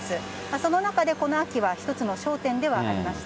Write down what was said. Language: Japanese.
その中で、この秋は一つの焦点ではありました。